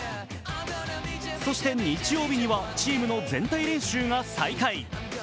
そして日曜日にはチームの全体練習が再開。